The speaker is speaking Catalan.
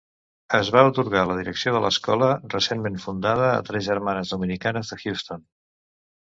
Es va atorgar la direcció de l'escola recentment fundada a tres germanes dominicanes de Houston.